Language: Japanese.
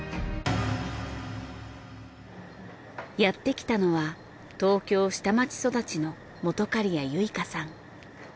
やってきたのは東京下町育ちの本仮屋ユイカさん。